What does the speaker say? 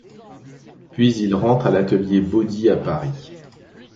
Puis il entre à l’atelier Baudy à Paris.